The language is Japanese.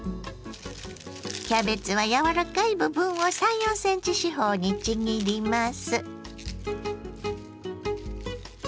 キャベツは柔らかい部分を３４ｃｍ四方にちぎります。